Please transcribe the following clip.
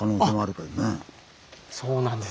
そうなんです。